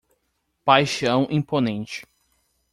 Paixão imponente